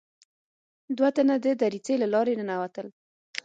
دوه تنه د دريڅې له لارې ننوتل.